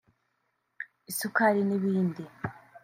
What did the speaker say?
isukari n’ibindi